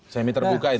semi terbuka ini